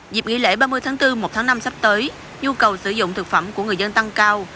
dịp nghỉ lễ ba mươi tháng bốn một tháng năm sắp tới nhu cầu sử dụng thực phẩm của người dân tăng cao